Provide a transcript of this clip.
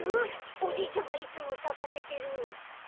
おじいちゃんがいつもさかせてる。